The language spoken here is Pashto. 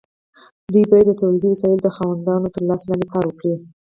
دوی باید د تولیدي وسایلو د خاوندانو تر لاس لاندې کار وکړي.